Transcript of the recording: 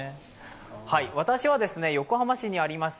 私は横浜市にあります